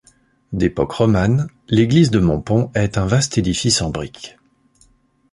D'époque romane, l'église de Montpont est un vaste édifice en brique.